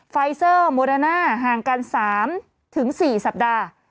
ไฟเซอร์โมเดอร์น่าห่างกัน๓๔สัปดาห์